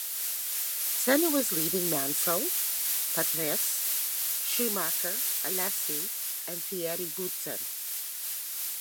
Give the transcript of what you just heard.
Senna was leading Mansell, Patrese, Schumacher, Alesi and Thierry Boutsen.